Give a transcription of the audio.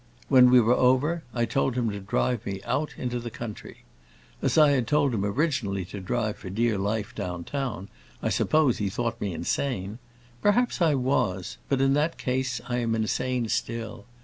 When we were over, I told him to drive me out into the country. As I had told him originally to drive for dear life down town, I suppose he thought me insane. Perhaps I was, but in that case I am insane still.